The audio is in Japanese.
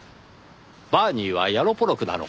バーニーはヤロポロクなのか？